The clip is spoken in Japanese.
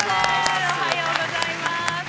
おはようございます。